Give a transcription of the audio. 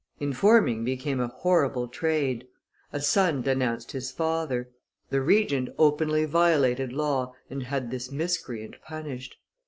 Informing became a horrible trade; a son denounced his father. The Regent openly violated law, and had this miscreant punished.